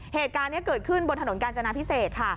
เหตุการณ์นี้เกิดขึ้นบนถนนกาญจนาพิเศษค่ะ